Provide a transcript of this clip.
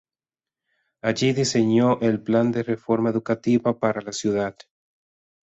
Allí diseñó el Plan de reforma educativa para la ciudad.